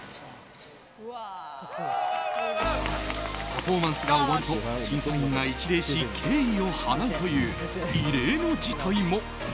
パフォーマンスが終わると審査員が一礼し敬意を払うという異例の事態も。